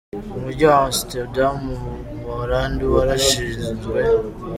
Umujyi wa Amsterdam mu Buholandi warashinzwe.